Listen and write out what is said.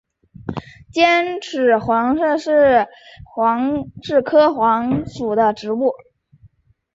尖齿黄耆是豆科黄芪属的植物。